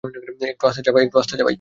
একটু আস্তে যা, ভাই।